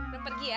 rum pergi ya